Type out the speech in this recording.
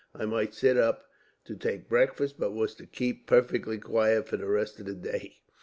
I might sit up to take breakfast, but was to keep perfectly quiet for the rest of the day.